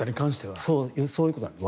そういうことなんです。